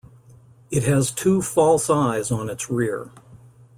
It has two "false eyes" on its rear.